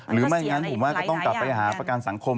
อย่างนั้นผมว่าก็ต้องกลับไปหาประกันสังคม